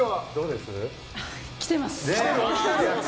きてます。